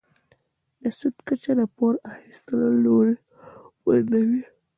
د سود کچه د پور اخیستلو لوری بدلوي.